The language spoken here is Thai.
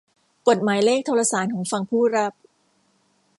กดหมายเลขโทรสารของฝั่งผู้รับ